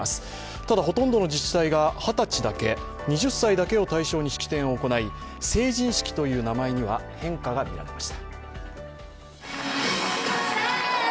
ただほとんどの自治体が二十歳だけ、２０歳を対象に式典を行い成人式という名前には変化が見られました。